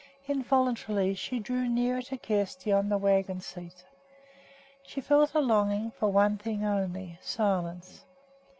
Involuntarily she drew nearer to Kjersti on the wagon seat. She felt a longing for one thing only, silence.